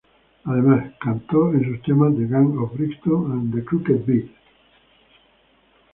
Además, cantó en sus temas "The Guns of Brixton" y "The Crooked Beat".